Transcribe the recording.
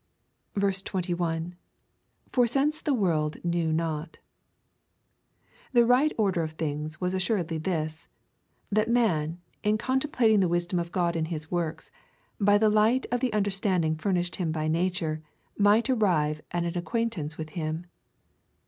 robustior est hommibus. 21, For since the world knew not. The right order of things was assuredly this, that man, contemplating the wisdom of God in his works, by the light of the understand ing furnished him by ntiture, might arrive at an acquaint ance with him.